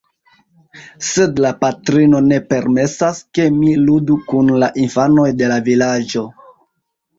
Sed la patrino ne permesas, ke mi ludu kun la infanoj de la vilaĝo.